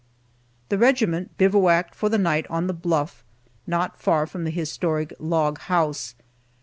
The regiment bivouacked for the night on the bluff, not far from the historic "log house."